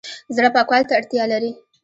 زړه پاکوالي ته اړتیا لري